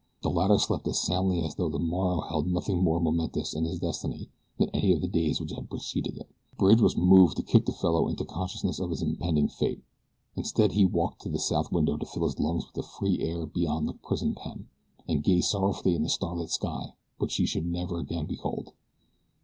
The latter slept as soundly as though the morrow held nothing more momentous in his destiny than any of the days that had preceded it. Bridge was moved to kick the fellow into consciousness of his impending fate. Instead he walked to the south window to fill his lungs with the free air beyond his prison pen, and gaze sorrowfully at the star lit sky which he should never again behold.